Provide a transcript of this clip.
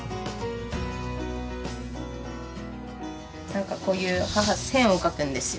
なんかこういう母線を描くんですよ。